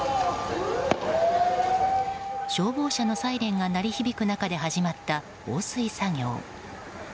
消防車のサイレンが鳴り響く中で始まった放水作業。